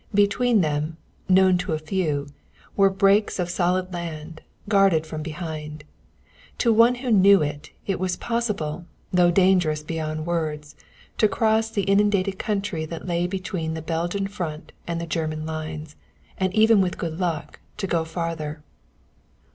Between them, known to a few, were breaks of solid land, guarded from behind. To one who knew, it was possible, though dangerous beyond words, to cross the inundated country that lay between the Belgian Front and the German lines, and even with good luck to go farther.